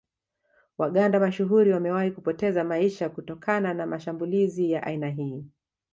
Waganda mashuhuri wamewahi kupoteza maisha kutokana na mashmbulizi ya aina hii